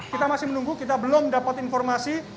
kita masih menunggu kita belum dapat informasi